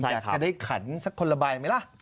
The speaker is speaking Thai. อยากจะได้ขันสักคนละใบไหมล่ะ